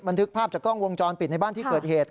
ทึกภาพจากกล้องวงจรปิดในบ้านที่เกิดเหตุ